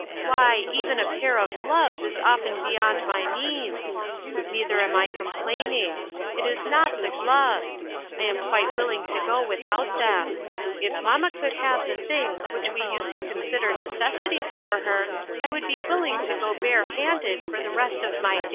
Why, even a pair of gloves is often beyond my means ! Neither am I complaining. It is riot the gloves ; I am quite willing to go without them. If mamma could have the things which we used to consider necessities for her I would be willing to go bare handed for the rest of my days.